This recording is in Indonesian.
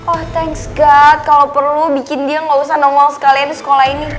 oh thanks god kalo perlu bikin dia gak usah normal sekalian di sekolah ini